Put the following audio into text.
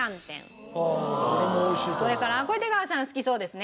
それからこれ出川さん好きそうですね。